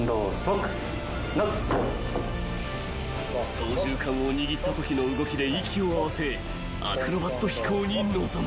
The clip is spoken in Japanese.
［操縦かんを握ったときの動きで息を合わせアクロバット飛行に臨む］